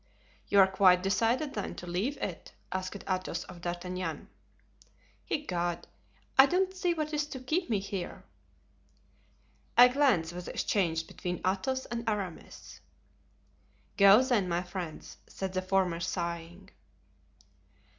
"You are quite decided, then, to leave it?" asked Athos of D'Artagnan. "Egad! I don't see what is to keep me here." A glance was exchanged between Athos and Aramis. "Go, then, my friends," said the former, sighing.